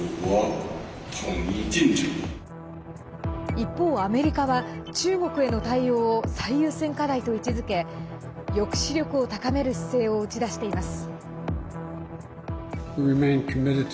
一方、アメリカは中国への対応を最優先課題と位置づけ抑止力を高める姿勢を打ち出しています。